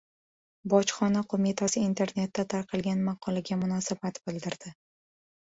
Bojxona qo‘mitasi internetda tarqalgan maqolaga munosabat bildirdi